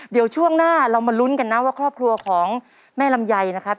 เดี๋ยวช่วงหน้าเรามาลุ้นกันนะว่าครอบครัวของแม่ลำไยนะครับ